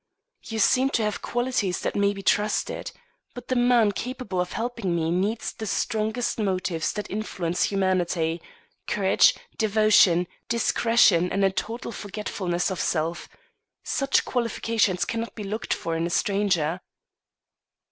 "You seem to have qualities that may be trusted. But the man capable of helping me needs the strongest motives that influence humanity: courage, devotion, discretion, and a total forgetfulness of self. Such qualifications cannot be looked for in a stranger."